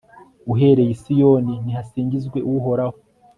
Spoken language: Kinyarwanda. uhereye i siyoni nihasingizwe uhoraho